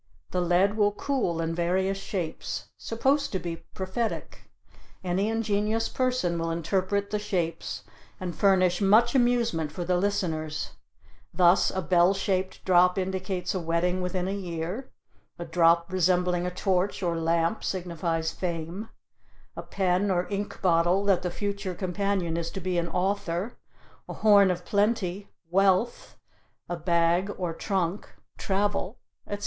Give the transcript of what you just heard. The lead will cool in various shapes, supposed to be prophetic. Any ingenious person will interpret the shapes, and furnish much amusement for the listeners; thus, a bell shaped drop indicates a wedding within a year; a drop resembling a torch or lamp signifies fame; a pen or ink bottle, that the future companion is to be an author; a horn of plenty, wealth; a bag or trunk, travel; etc.